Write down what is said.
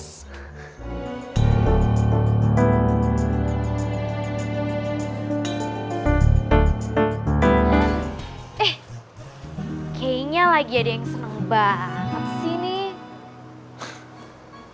eh kayaknya lagi ada yang seneng banget sih nih